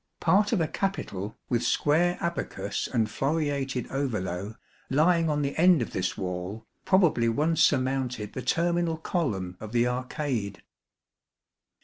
Part of a capital, with square abacus and floreated ovolo, lying on the end of this wall, probably once surmounted the terminal column of the arcade.